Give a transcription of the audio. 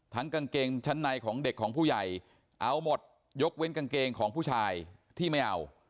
กางเกงชั้นในของเด็กของผู้ใหญ่เอาหมดยกเว้นกางเกงของผู้ชายที่ไม่เอา